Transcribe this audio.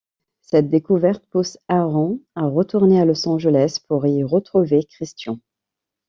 Cette découverte pousse Aaron à retourner à Los Angeles pour y retrouver Christian.